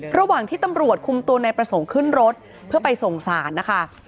ระหว่างที่ตำรวจคุมตัวนายประสงค์ขึ้นรถเพื่อไปส่งสารนะคะ